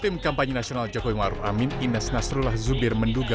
tim kampanye nasional jokowi maruf amin ines nasrullah zubir menduga